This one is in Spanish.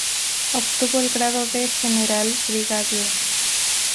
Obtuvo el grado de general brigadier.